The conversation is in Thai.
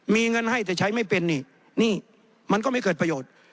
มีเงินให้แต่ใช้ไม่เป็นนี่นี่มันก็ไม่เกิดประโยชน์